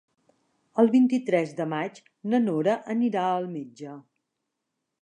El vint-i-tres de maig na Nora anirà al metge.